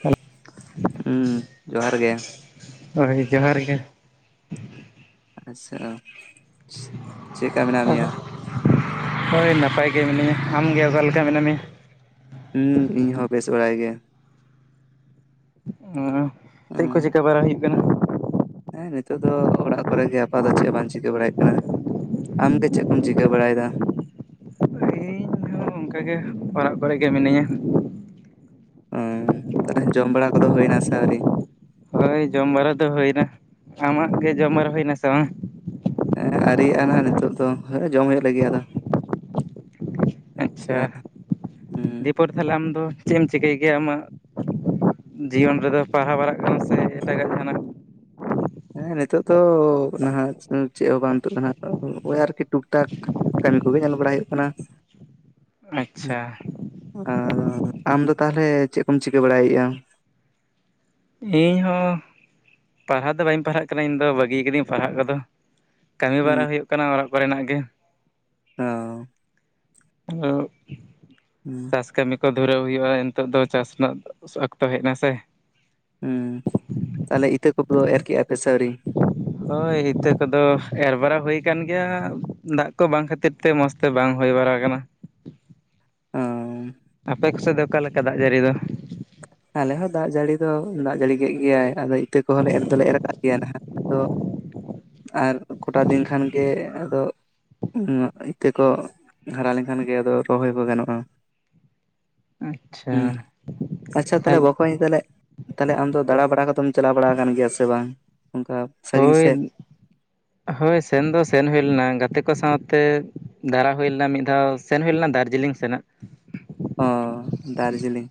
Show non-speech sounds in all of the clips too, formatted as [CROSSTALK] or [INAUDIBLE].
Hello ᱦᱩᱸ [UNINTELLIGIBLE] ᱡᱚᱦᱟᱨ ᱜᱮ। ᱦᱳᱭ ᱡᱚᱦᱟᱨ ᱜᱮ। ᱟᱪᱪᱷᱟ ᱪᱮᱫᱠᱟ ᱢᱮᱱᱟᱜ ᱟ ᱢᱮᱭᱟ? ᱦᱳᱭ ᱱᱟᱯᱟᱭ ᱜᱮ ᱢᱤᱱᱟᱹᱧᱟ᱾ ᱟᱢᱜᱮ ᱚᱠᱟ ᱞᱮᱠᱟ ᱢᱮᱱᱟ ᱢᱮᱭᱟ? ᱦᱚᱸ ᱤᱧᱦᱚᱸ ᱵᱮᱥ ᱵᱟᱲᱟ ᱜᱮ। ᱦᱮᱸ [UNINTELLIGIBLE] ᱪᱮᱫ ᱠᱚ ᱦᱩᱸ ᱪᱤᱠᱟᱹ ᱵᱟᱲᱟ ᱦᱩᱭᱩᱜ ᱠᱟᱱᱟ? ᱦᱮᱸ ᱱᱤᱛᱚᱜ ᱫᱚ ᱚᱲᱟᱜ ᱠᱚᱨᱮ ᱜᱮ ᱟᱯᱟ ᱫᱚ ᱪᱮᱫ ᱦᱚᱸ ᱵᱟᱝ ᱪᱤᱠᱟᱹ ᱵᱟᱲᱟᱭᱮᱫ [UNINTELLIGIBLE] ᱠᱟᱱᱟ। ᱟᱢᱜᱮ ᱪᱮᱫ ᱠᱚᱢ ᱪᱤᱠᱟᱹ ᱵᱟᱲᱟᱭᱮᱫᱟ? ᱤᱧ ᱦᱚᱸ ᱚᱱᱠᱟᱜᱮ ᱚᱲᱟᱜ ᱠᱚᱨᱮ ᱜᱮ ᱢᱤᱱᱟᱹᱧᱟ। ᱚ ᱛᱟᱦᱟᱞᱮ ᱡᱚᱢ ᱵᱟᱲᱟ ᱠᱚᱫᱚ ᱦᱩᱭᱱᱟ ᱥᱮ ᱟᱹᱣᱨᱤ? ᱦᱳᱭ ᱡᱚᱢ ᱵᱟᱲᱟ ᱫᱚ ᱦᱩᱭᱱᱟ᱾ ᱟᱢᱟᱜ ᱜᱮ ᱡᱚᱢ ᱵᱟᱲᱟ ᱦᱩᱭᱱᱟ ᱥᱮ ᱵᱟᱝᱟ? ᱦᱮᱸ ᱟᱹᱨᱤᱭᱟᱜᱼᱟ ᱱᱟᱦᱟᱸᱜ ᱱᱤᱛᱚᱜ ᱫᱚ᱾ ᱦᱮᱸ [UNINTELLIGIBLE] ᱡᱚᱢ ᱦᱩᱭᱩᱜ ᱞᱟᱹᱜᱤᱫ ᱟᱫᱚ। ᱟᱪᱪᱷᱟ ᱦᱩᱸ ᱫᱤᱯᱚᱨ [UNINTELLIGIBLE] ᱛᱟᱦᱟᱞᱮ ᱟᱢᱫᱚ ᱪᱮᱫ ᱮᱢ ᱪᱤᱠᱟᱹᱭ ᱜᱮᱭᱟ ᱟᱢᱟᱜ? ᱡᱤᱭᱚᱱ ᱨᱮᱫᱚ ᱯᱟᱲᱦᱟᱣ ᱵᱟᱲᱟᱜ ᱠᱟᱱᱟᱢ ᱥᱮ ᱮᱴᱟᱜᱟᱜ ᱡᱟᱦᱟᱱᱟᱜ? ᱦᱮᱸ ᱱᱤᱛᱚᱜ ᱫᱚ ᱱᱟᱦᱟᱸᱜ ᱪᱮᱫ ᱦᱚᱸ ᱵᱟᱝ ᱱᱤᱛᱩᱜ [UNINTELLIGIBLE] ᱠᱟᱱᱟ [UNINTELLIGIBLE] [UNINTELLIGIBLE] ᱳᱭ [UNINTELLIGIBLE] ᱟᱨᱠᱤ ᱴᱩᱠ ᱴᱟᱠ ᱠᱟᱹᱢᱤ ᱠᱚᱜᱮ ᱧᱮᱞ ᱵᱟᱲᱟᱭ ᱦᱩᱭᱩᱜ ᱠᱟᱱᱟ। ᱟᱪᱪᱷᱟ ᱟᱨ ᱟᱢᱫᱚ ᱛᱟᱦᱟᱞᱮ ᱪᱮᱫ ᱠᱚᱢ ᱪᱤᱠᱟᱹ ᱵᱟᱲᱟᱭᱼᱟ? ᱤᱧ ᱦᱚᱸ ᱯᱟᱲᱦᱟᱜ ᱫᱚ ᱵᱟᱹᱧ ᱯᱟᱲᱦᱟᱜ ᱠᱟᱱᱟ ᱤᱧ ᱫᱚ ᱵᱟᱹᱜᱤ ᱠᱟᱹᱫᱤᱧ ᱯᱟᱲᱦᱟᱜ ᱠᱚᱫᱚ। ᱠᱟᱹᱢᱤ ᱦᱩᱸ ᱵᱟᱲᱟ ᱦᱩᱭᱩᱜ ᱠᱟᱱᱟ ᱚᱲᱟᱜ ᱠᱚᱨᱮᱱᱟᱜ ᱜᱮ। ᱚᱸᱻ [UNINTELLIGIBLE] [UNINTELLIGIBLE] ᱦᱩᱸ ᱪᱟᱥ ᱠᱟᱹᱢᱤ ᱠᱚ ᱫᱷᱩᱨᱟᱹᱣ ᱦᱩᱭᱩᱜᱼᱟ ᱱᱤᱛᱚᱜ ᱫᱚ ᱪᱟᱥ ᱨᱮᱱᱟᱜ ᱚᱠᱛᱚ ᱦᱮᱡ ᱮᱱᱟ ᱥᱮ। ᱦᱩᱸ ᱛᱟᱦᱟᱞᱮ ᱤᱛᱟᱹ ᱠᱚᱫᱚ [UNINTELLIGIBLE] ᱮᱨ ᱠᱮᱜᱼᱟ ᱯᱮ ᱥᱮ ᱟᱹᱣᱨᱤ? [INAUDIBLE] ᱦᱳᱭ ᱤᱛᱟᱹ ᱠᱚᱫᱚ ᱮᱨ ᱵᱟᱲᱟ ᱦᱩᱭ ᱟᱠᱟᱱ ᱜᱮᱭᱟ᱾ ᱫᱟᱜ ᱠᱚ ᱵᱟᱝ ᱠᱷᱟᱹᱛᱤᱨ ᱛᱮ ᱢᱚᱸᱡᱽ ᱛᱮ ᱵᱟᱝ ᱦᱩᱭ ᱵᱟᱲᱟ ᱟᱠᱟᱱᱟ। ᱚᱻ ᱟᱯᱮ ᱠᱚᱥᱮᱫ ᱫᱚ ᱚᱠᱟ ᱞᱮᱠᱟ ᱫᱟᱜ ᱡᱟᱹᱲᱤ ᱫᱚ? ᱟᱞᱮ ᱦᱚᱸ ᱫᱟᱜ ᱡᱟᱹᱲᱤ ᱫᱚ ᱫᱟᱜ ᱡᱟᱹᱲᱤ ᱠᱮᱫ ᱜᱮᱭᱟᱭ ᱟᱫᱚ ᱤᱛᱟᱹ ᱠᱚᱦᱚᱸ ᱮᱨ ᱫᱚᱞᱮ ᱮᱨ ᱟᱠᱟᱜ ᱜᱮᱭᱟ ᱱᱟᱦᱟᱸᱜ। ᱟᱫᱚ ᱟᱨ ᱠᱚᱴᱟ ᱫᱤᱱ ᱠᱷᱟᱱ ᱜᱮ ᱟᱫᱚ ᱼᱼ [UNINTELLIGIBLE] ᱤᱛᱟᱹ ᱠᱚ ᱦᱟᱨᱟ ᱞᱮᱱᱠᱷᱟᱱ ᱜᱮ ᱟᱫᱚ ᱨᱚᱦᱚᱭ ᱠᱚ ᱜᱟᱱᱚᱜᱼᱟ। ᱟᱪᱪᱷᱟ ᱦᱩᱸ ᱟᱪᱪᱷᱟ ᱛᱟᱦᱟᱞᱮ ᱛᱟᱦᱚᱞᱮ ᱵᱚᱠᱚᱧ ᱛᱟᱦᱟᱞᱮ ᱟᱢ ᱫᱚ ᱫᱟᱬᱟ ᱵᱟᱲᱟ ᱠᱚᱫᱚᱢ ᱪᱟᱞᱟᱣ ᱵᱟᱲᱟ ᱟᱠᱟᱱ ᱜᱮᱭᱟ ᱥᱮ ᱵᱟᱝ? ᱚᱱᱠᱟ ᱼᱼ ᱦᱳᱭ ᱦᱳᱭ ᱥᱮᱱ ᱫᱚ ᱥᱮᱱ ᱦᱩᱭ ᱞᱮᱱᱟ ᱜᱟᱛᱮ ᱠᱚ ᱥᱟᱶᱛᱮ। ᱫᱟᱨᱟ ᱦᱩᱭ ᱞᱮᱱᱟ ᱢᱤᱫ ᱫᱷᱟᱣ ᱥᱮᱱ ᱦᱩᱭ ᱞᱮᱱᱟ ᱫᱟᱨᱡᱤᱞᱤᱝ ᱥᱮᱱᱟᱜ ᱚᱻ ᱫᱟᱨᱡᱤᱞᱤᱝ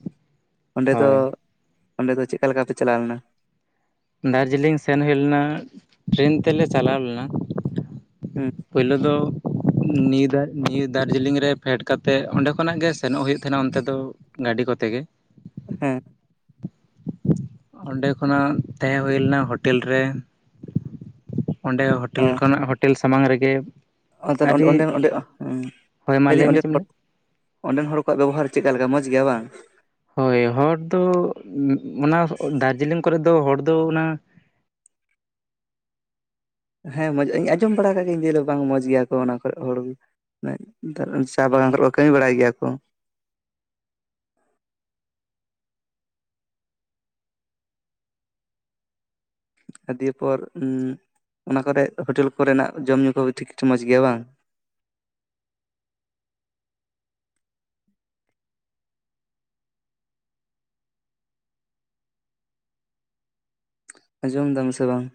ᱚᱸᱰᱮ ᱫᱚ ᱦᱳᱭ ᱚᱸᱰᱮ ᱫᱚ ᱪᱮᱫᱠᱟ ᱞᱮᱠᱟ ᱯᱮ ᱪᱟᱞᱟᱣ ᱞᱮᱱᱟ ᱫᱟᱨᱡᱤᱞᱤᱝ ᱥᱮᱱ ᱦᱩᱭ ᱞᱮᱱᱟ ᱴᱨᱮᱹᱱ ᱛᱮᱞᱮ ᱪᱟᱞᱟᱣ ᱞᱮᱱᱟ ᱦᱩᱸ ᱯᱳᱭᱞᱳ ᱫᱚ ᱱᱤᱭᱩ ᱫᱟᱨ ᱱᱤᱭᱩ ᱫᱟᱨᱡᱤᱞᱤᱝ ᱨᱮ ᱯᱷᱮᱰ ᱠᱟᱛᱮᱫ ᱚᱸᱰᱮ ᱠᱷᱚᱱᱟᱜ ᱜᱮ ᱥᱮᱱᱚᱜ ᱦᱩᱭᱩᱜ ᱛᱟᱦᱮᱱᱟ ᱚᱱᱛᱮ ᱫᱚ ᱾ ᱜᱟᱹᱰᱤ ᱠᱚᱛᱮ ᱜᱮ ᱾ ᱦᱮᱸ ᱚᱸᱰᱮ ᱠᱷᱚᱱᱟᱜ ᱛᱟᱦᱮᱸ ᱦᱩᱭ ᱞᱮᱱᱟ ᱦᱳᱴᱮᱞ ᱨᱮ ᱾ ᱚᱸᱰᱮ ᱦᱳᱴᱮᱞ ᱠᱷᱚᱱᱟᱜ ᱦᱳᱴᱮᱞ ᱥᱟᱢᱟᱝ ᱨᱮᱜᱮ ᱾ ᱟᱨ ᱛᱟᱦᱚᱞᱮ ᱚᱸᱰᱮ ᱚᱸᱰᱮ ᱦᱮᱸ ᱦᱳᱭ ᱢᱟ ᱞᱟᱹᱭᱫᱟᱹᱧ ᱞᱟᱹᱭ ᱢᱮ ᱚᱸᱰᱮ ᱪᱮᱫ ᱮᱢ ᱞᱟᱹᱭ ᱚᱸᱰᱮᱱ ᱦᱚᱲ ᱠᱚᱣᱟᱜ ᱵᱮᱵᱚᱦᱟᱨ ᱪᱮᱫ ᱞᱮᱠᱟ ᱢᱚᱸᱡᱽ ᱜᱮᱭᱟ ᱵᱟᱝ? ᱦᱳᱭ ᱦᱚᱲ ᱫᱚ ᱚᱱᱟ ᱫᱟᱨᱡᱤᱞᱤᱝ ᱠᱚᱨᱮ ᱫᱚ ᱦᱚᱲ ᱫᱚ ᱚᱱᱟ ᱦᱮᱸ ᱢᱚ ᱤᱧ ᱟᱸᱡᱚᱢ ᱵᱟᱲᱟ ᱠᱟᱜ ᱜᱤᱭᱟᱹᱧ ᱵᱟᱝ ᱢᱚᱸᱡᱽ ᱜᱮᱭᱟ ᱠᱚ ᱚᱱᱟ ᱠᱚᱨᱮᱜ ᱦᱚᱲ ᱫᱚ ᱪᱟᱭ ᱵᱟᱜᱟᱱ ᱠᱚᱨᱮ ᱠᱚ ᱠᱟᱹᱢᱤ ᱵᱟᱲᱟᱭ ᱜᱮᱭᱟ ᱠᱚ ᱾ ᱟᱨ ᱫᱤᱭᱯᱚᱨ ᱚᱱᱟ ᱠᱚᱨᱮ ᱦᱳᱴᱮᱞ ᱠᱚᱨᱮᱱᱟᱜ ᱡᱚᱢ ᱧᱩ ᱠᱚ ᱴᱷᱤᱠ ᱴᱷᱟᱠ ᱢᱚᱸᱡᱽ ᱜᱮᱭᱟ ᱵᱟᱝ? ᱟᱸᱡᱚᱢ ᱫᱟᱢ ᱥᱮ ᱵᱟᱝ?